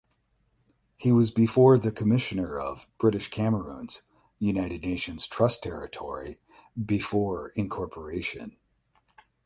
He was before the Commissioner of British Cameroons (United Nations trust territory) before incorporation.